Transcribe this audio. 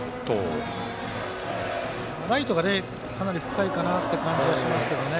ライトがかなり深いかなという感じはしますね。